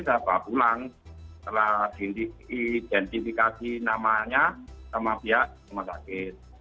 sahabat pulang telah diidentifikasi namanya sama pihak rumah sakit